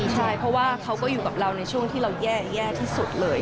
ใช่เพราะว่าเขาก็อยู่กับเราในช่วงที่เราแย่ที่สุดเลย